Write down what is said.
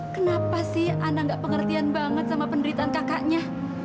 kenapa sih ana gak pengertian banget sama penderitaan kakaknya